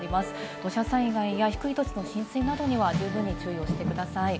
土砂災害や低い土地の浸水などには十分に注意をしてください。